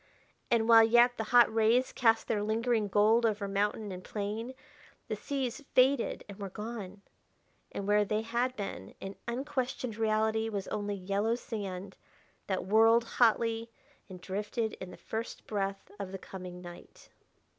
And, while yet the hot rays cast their lingering gold over mountain and plain, the seas faded and were gone ... and where they had been in unquestioned reality was only yellow sand that whirled hotly and drifted in the first breath of the coming night....